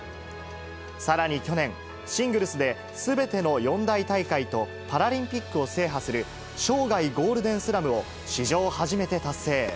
さらに去年、シングルスですべての四大大会とパラリンピックを制覇する、生涯ゴールデンスラムを史上初めて達成。